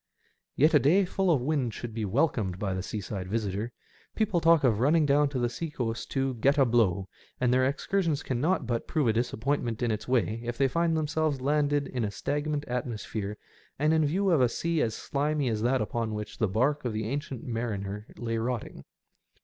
Yet a day full of wind should be welcomed by the seaside visitor. People talk of running down to the sea coast to *' get a blow," and their excursion cannot but prove a disappointment in its way if they find them selves landed in a stagnant atmosphere and in view of a sea as slimy as that upon which the bark of the Ancient Mariner lay rotting.